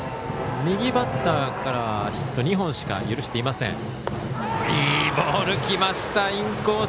右バッターからはヒット２本しか許していません。